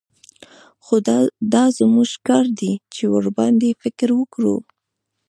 خو دا زموږ کار دى چې ورباندې فکر وکړو.